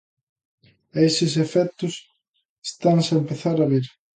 E eses efectos estanse a empezar a ver.